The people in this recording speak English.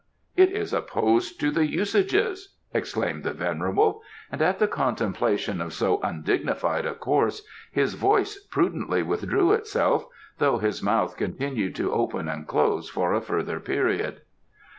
It is opposed to the Usages!" exclaimed the venerable; and at the contemplation of so undignified a course his voice prudently withdrew itself, though his mouth continued to open and close for a further period.